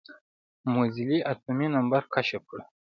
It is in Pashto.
موزلي اتومي نمبر کشف کړه.